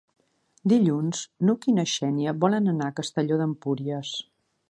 Dilluns n'Hug i na Xènia volen anar a Castelló d'Empúries.